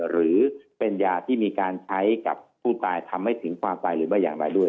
หรือเป็นยาที่มีการใช้กับผู้ตายทำให้ถึงความตายหรือไม่อย่างไรด้วย